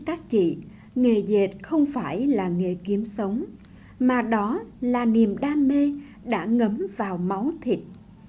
các chị nghề nghề dệt không phải là nghề kiếm sống mà đó là niềm đam mê đã ngấm vào máu thịt